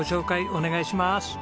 お願いします。